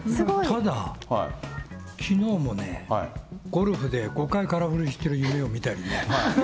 ただ、きのうもね、ゴルフで５回空振りしてる夢見たりね。